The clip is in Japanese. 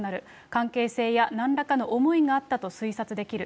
関係性やなんらかの思いがあったと推察できる。